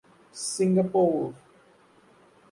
Singapore.